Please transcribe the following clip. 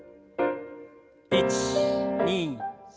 １２３